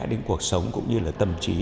đến cuộc sống cũng như là tâm trí